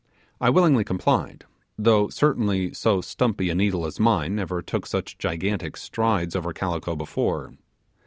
I willingly complied, though certainly so stumpy a needle as mine never took such gigantic strides over calico before.